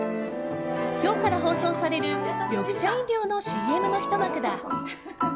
今日から放送される緑茶飲料のＣＭのひと幕だ。